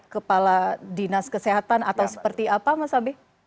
kepala dinas kesehatan atau seperti apa mas abe